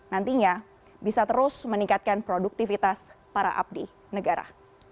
nantinya bisa terus meningkatkan produktivitas para abdi negara